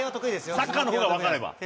サッカーのほうが分かれば。